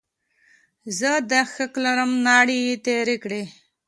زه دا حق لرم، ناړې یې تېرې کړې.